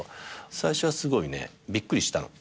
最初はすごいねびっくりしたの。